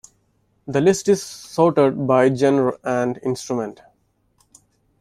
The list is sorted by genre and instrument.